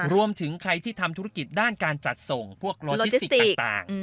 รวมถึงใครที่ทำธุรกิจด้านการจัดส่งพวกโลจิสติกต่าง